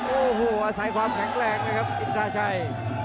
โอ้โหอาศัยความแข็งแรงนะครับอินทราชัย